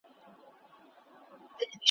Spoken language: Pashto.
چي جوار غنم را نه وړئ له پټیو `